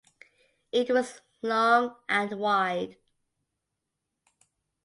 It was long and wide.